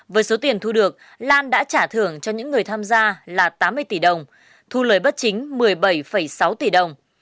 với số tiền thu được lan đã trả thưởng cho những người tham gia là tám mươi tỷ đồng thu lời bất chính một mươi bảy sáu tỷ đồng